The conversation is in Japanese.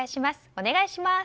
お願いします。